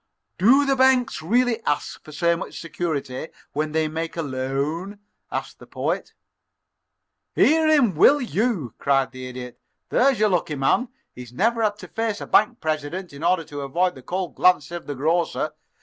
"Do the banks really ask for so much security when they make a loan?" asked the Poet. "Hear him, will you!" cried the Idiot. "There's your lucky man. He's never had to face a bank president in order to avoid the cold glances of the grocer.